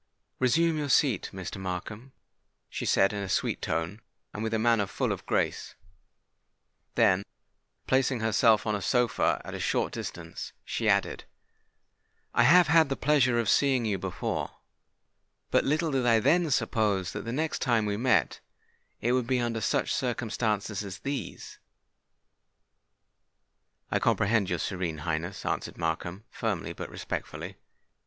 "Resume your seat, Mr. Markham," she said in a sweet tone, and with a manner full of grace: then, placing herself on a sofa at a short distance, she added, "I have had the pleasure of seeing you before; but little did I then suppose that the next time we met, it would be under such circumstances as these." "I comprehend your Serene Highness," answered Markham, firmly, but respectfully.